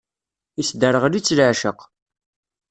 Isderɣel-itt leɛceq.